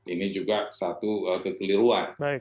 ini juga satu kekeliruan